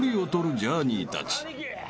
ジャーニーたち］